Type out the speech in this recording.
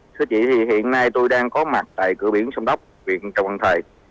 thưa chị hiện nay tôi đang có mặt tại cửa biển sông đốc biển trọng văn thời